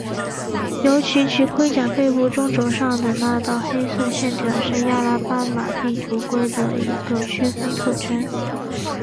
尤其其盔甲背部中轴上的那道黑色线条是亚拉巴马地图龟的一个区分特征。